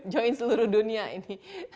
join seluruh dunia ini